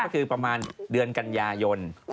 ก็คือประมาณเดือนกันยายน